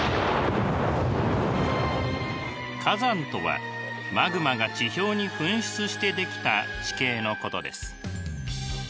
火山とはマグマが地表に噴出してできた地形のことです。